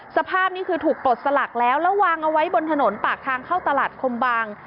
สภาพนี้คือถูกปลดสลักแล้วแล้ววางเอาไว้บนถนนปากทางเข้าตลาดคมบาง